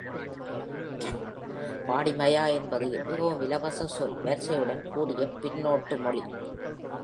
பாடிமயா என்பது மிகவும் இலவச சொல் வரிசையுடன் கூடிய பின்னொட்டு மொழி.